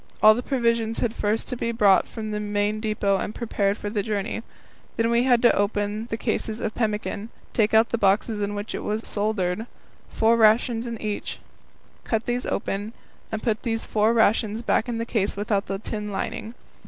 All the provisions had first to be brought from the main depot and prepared for the journey. Then we had to open the cases of pemmican, take out the boxes in which it was soldered, four rations in each, cut these open, and put the four rations back in the case without the tin lining.